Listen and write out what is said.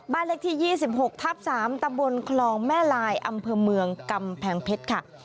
เลขที่๒๖ทับ๓ตำบลคลองแม่ลายอำเภอเมืองกำแพงเพชรค่ะ